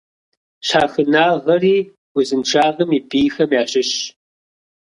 Щхьэхынагъэри узыншагъэм и бийхэм ящыщщ.